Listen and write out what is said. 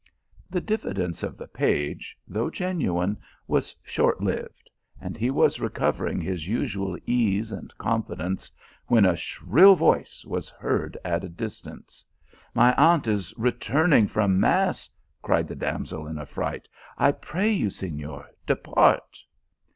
The diffidence of the page, though genuine, was short lived, and he was recovering his usual ease and confidence, when a shrill voice was heard at a distance. " My aunt is returning from mass ! cried the damsel in affright. " I pray you, Senor, depart."